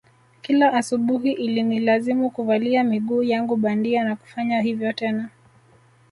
Kila asubuhi ilinilazimu kuvalia miguu yangu bandia na kufanya hivyo tena